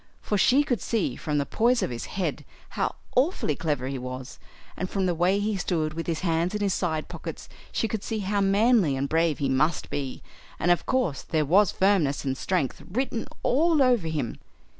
For she could see from the poise of his head how awfully clever he was; and from the way he stood with his hands in his side pockets she could see how manly and brave he must be; and of course there was firmness and strength written all over him.